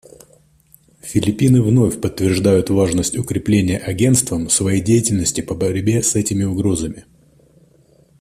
Филиппины вновь подтверждают важность укрепления Агентством своей деятельности по борьбе с этими угрозами.